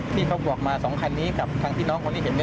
ที่เขาบอกมา๒คันนี้กับทางพี่น้องคนที่เห็น